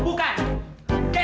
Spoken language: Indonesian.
bukan su bukan